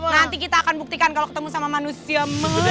nanti kita akan buktikan kalau ketemu sama manusia